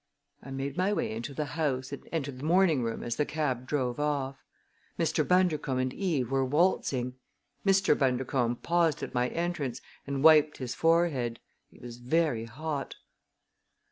I made my way into the house and entered the morning room as the cab drove off. Mr. Bundercombe and Eve were waltzing. Mr. Bundercombe paused at my entrance and wiped his forehead. He was very hot.